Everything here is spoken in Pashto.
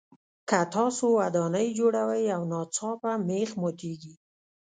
که تاسو ودانۍ جوړوئ او ناڅاپه مېخ ماتیږي.